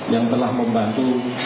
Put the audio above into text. yang telah membantu